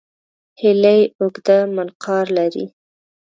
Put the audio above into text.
هیلۍ اوږده منقار لري